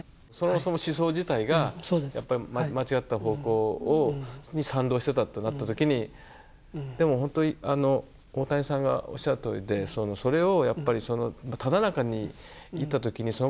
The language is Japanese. その思想自体がやっぱり間違った方向に賛同してたってなった時にでも本当に大谷さんがおっしゃるとおりでそれをやっぱりそのただ中にいた時にそのことを相対的に考えられるか。